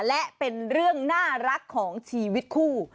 และเป็นเรื่องน่ารักของชีวิตคู่